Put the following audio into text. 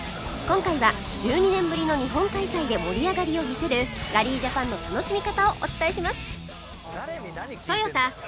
今回は１２年ぶりの日本開催で盛り上がりを見せるラリージャパンの楽しみ方をお伝えします